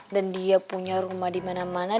dan dia punya rumah di mana mana